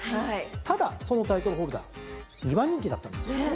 ただそのタイトルホルダー２番人気だったんです。